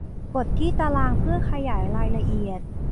กดที่ตารางเพื่อขยายรายละเอียด